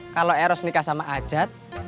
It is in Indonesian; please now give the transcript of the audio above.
kalau eros nikah sama ajat